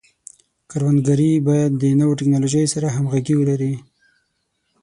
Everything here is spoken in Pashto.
کروندګري باید د نوو ټکنالوژیو سره همغږي ولري.